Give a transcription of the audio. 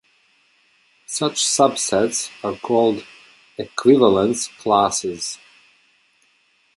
Such subsets are called "equivalence classes".